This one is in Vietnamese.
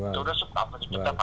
với những đứa phẩm này